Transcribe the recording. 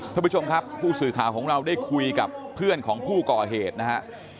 ท่านผู้ชมครับผู้สื่อข่าวของเราได้คุยกับเพื่อนของผู้ก่อเหตุนะฮะ